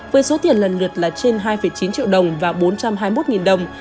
với số tiền lần lượt là trên hai chín triệu đồng và bốn trăm hai mươi một đồng